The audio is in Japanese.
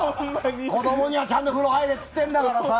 子供にはちゃんと風呂に入れって言ってるんだからさ！